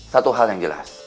satu hal yang jelas